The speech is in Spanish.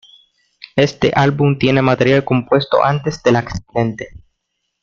Este álbum tiene material compuesto antes del accidente.